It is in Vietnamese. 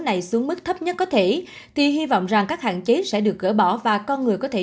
này xuống mức thấp nhất có thể thì hy vọng rằng các hạn chế sẽ được gỡ bỏ và con người có thể